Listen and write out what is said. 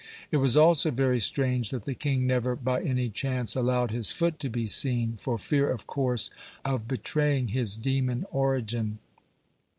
It was also very strange that the king never by any chance allowed his foot to be seen, for fear, of course, of betraying his demon origin.